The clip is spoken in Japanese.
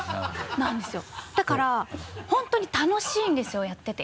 なんですよだから本当に楽しいんですよやってて。